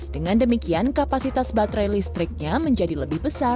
dengan demikian kapasitas baterai listriknya menjadi lebih besar